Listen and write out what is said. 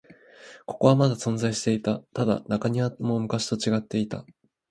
ここはまだ存在していた。ただ、中庭も昔と違っていた。